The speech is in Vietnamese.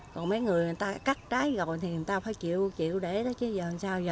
còn mấy người người ta cắt trái rồi thì người ta phải chịu để đó chứ giờ sao